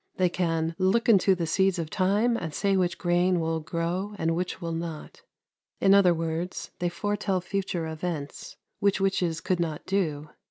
They can "look into the seeds of time, and say which grain will grow, and which will not." In other words, they foretell future events, which witches could not do.